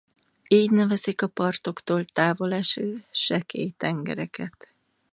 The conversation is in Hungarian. Így nevezik a partoktól távol eső sekély tengereket.